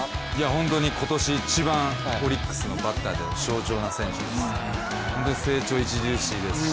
本当に今年一番オリックスのバッターで象徴な選手です。